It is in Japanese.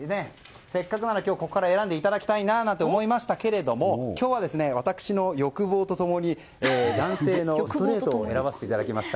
せっかくなら今日ここから選んでいただきたかったんですが今日は私の欲望と共に男性のストレートを選ばせていただきました。